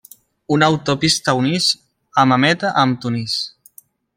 Una autopista uneix Hammamet amb Tunis.